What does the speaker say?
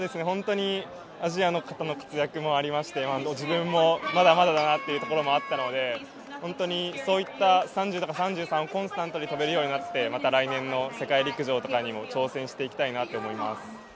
アジアの方の活躍もありまして、自分もまだまだだなというところもあったので、本当に３０とか３３をコンスタントに跳べるようになってまた来年の世界陸上とかにも挑戦していきたいなと思います。